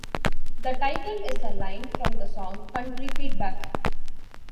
The title is a line from the song, Country Feedback.